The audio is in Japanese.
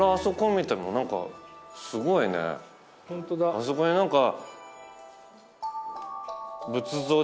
あそこに何か。